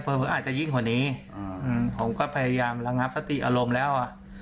เพราะว่าจะยิ่งกว่านี้พ่อไปย้ามระงับสติอารมณ์แล้ว